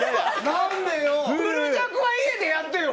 何でよ！